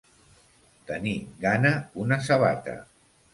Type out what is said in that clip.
Tenir gana una sabata.